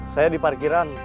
saya di parkiran